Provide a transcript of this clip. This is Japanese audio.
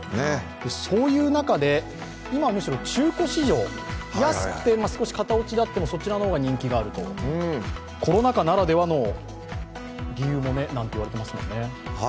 そういう中で、今、むしろ中古市場、安くて少し型落ちであっても、そちらの方が人気だと、コロナ禍ならではの理由なんて言われてますね。